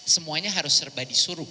semuanya harus serba disuruh